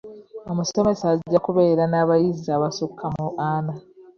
Omusomesa ajja kubeera n'abayizi abasukka mu ana.